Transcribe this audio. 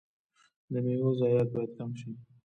د میوو ضایعات باید کم شي.